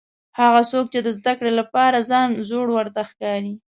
هغه څوک چې د زده کړې لپاره ځان زوړ ورته ښکاري.